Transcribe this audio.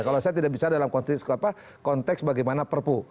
kalau saya tidak bicara dalam konteks bagaimana perpu